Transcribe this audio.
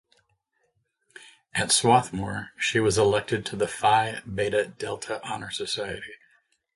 At Swarthmore she was elected to the Phi Beta Delta honor society.